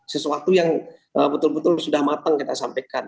sesuatu yang betul betul sudah matang kita sampaikan